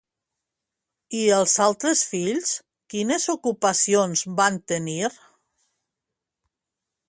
I els altres fills quines ocupacions van tenir?